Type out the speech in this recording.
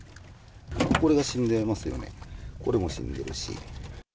これが死んでますよね、これも死んでるし。